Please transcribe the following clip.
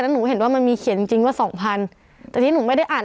หนูเห็นว่ามันมีเขียนจริงจริงว่าสองพันแต่ที่หนูไม่ได้อ่าน